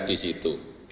saya di situ